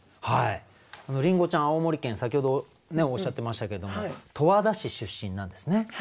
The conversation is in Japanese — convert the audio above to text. りんごちゃん青森県先ほどおっしゃってましたけども十和田市出身なんですね。